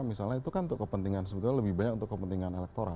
misalnya itu kan untuk kepentingan sebetulnya lebih banyak untuk kepentingan elektoral